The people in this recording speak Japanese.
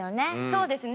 そうですね。